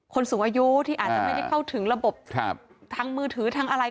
สูงอายุที่อาจจะไม่ได้เข้าถึงระบบทางมือถือทางอะไร